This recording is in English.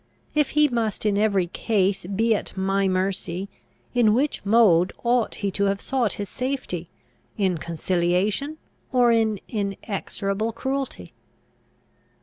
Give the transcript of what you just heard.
If he must in every case be at my mercy, in which mode ought he to have sought his safety, in conciliation, or in inexorable cruelty?